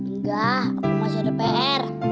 enggak aku masih ada pr